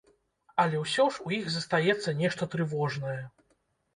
Але ўсё ж у іх застаецца нешта трывожнае.